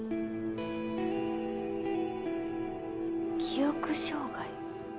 記憶障害？